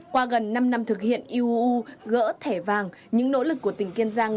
qua gần năm năm thực hiện iuu gỡ thẻ vàng những nỗ lực của tỉnh kiên giang